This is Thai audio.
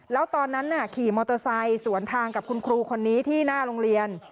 แล้วตอนนั้นขี่มอเตอร์ไซค์สวนทางกับคุณครูคนนี้ที่หน้าโรงเรียน